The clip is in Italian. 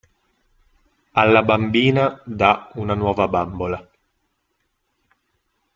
Alla bambina dà una nuova bambola.